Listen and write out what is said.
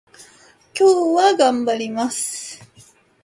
今日は頑張ります